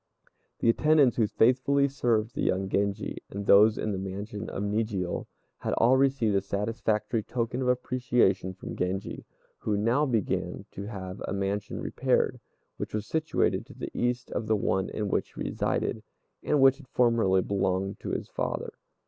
The attendants who faithfully served the young Genji, and those in the mansion at Nijiô, had all received a satisfactory token of appreciation from Genji, who now began to have a mansion repaired, which was situated to the east of the one in which he resided, and which had formerly belonged to his father.